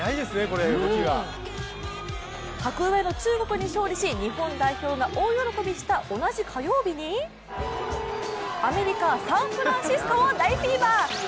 格上の中国に勝利し日本代表が大喜びした同じ火曜日にアメリカ・サンフランシスコも大フィーバー。